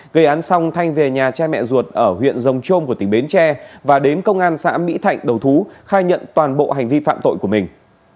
gây án xong thanh về nhà cha mẹ ruột ở huyện rồng trôm của tỉnh bến tre và đến công an xã mỹ thạnh đầu thú khai nhận toàn bộ hành vi phạm tội của mình